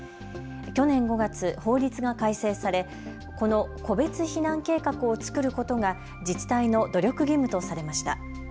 去年５月、法律が改正されこの個別避難計画を作ることが自治体の努力義務とされました。